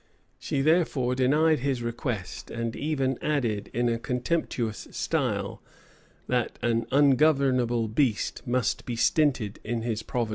She therefore denied his request; and even added, in a contemptuous style, that an ungovernable beast must be stinted in his provender.